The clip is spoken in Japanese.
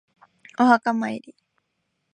お墓参り